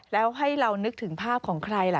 แล้วให้เรานึกถึงภาพของใครล่ะ